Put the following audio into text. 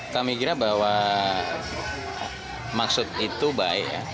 kami kira bahwa maksud itu baik ya